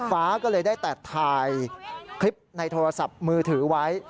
ฟ้าก็เลยได้แต่ถ่ายคลิปในโทรศัพท์มือถือไว้